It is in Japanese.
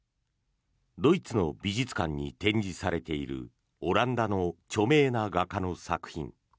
ドイツの美術館に展示されているオランダの著名な画家の作品。